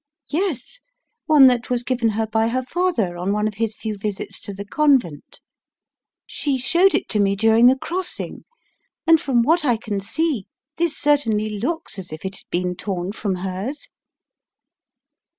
" "Yes; one that was given her by her father on 'one of his few visits to the convent. She showed it to me during the crossing, and from what I can see, this certainly looks as if it had been torn from hers."